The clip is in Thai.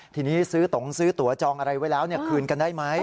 ทีนี้ซื้อตรงซื้อตัวจองอะไรไว้แล้วคืนกันได้ไหม